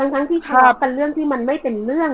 ทั้งที่ชอบเป็นเรื่องที่มันไม่เป็นเรื่อง